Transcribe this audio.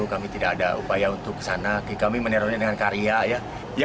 kami tidak ada upaya untuk ke sana kami menerornya dengan karya